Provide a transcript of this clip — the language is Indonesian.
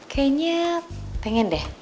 kayaknya pengen deh